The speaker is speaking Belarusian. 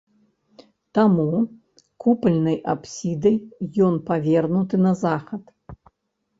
Таму купальнай апсідай ён павернуты на захад.